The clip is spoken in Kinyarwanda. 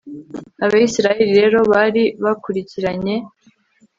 abayisraheli rero bari babakurikiranye